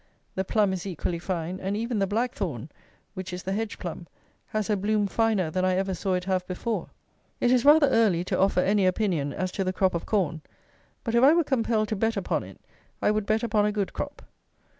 The plum is equally fine; and even the Blackthorn (which is the hedge plum) has a bloom finer than I ever saw it have before. It is rather early to offer any opinion as to the crop of corn; but if I were compelled to bet upon it, I would bet upon a good crop.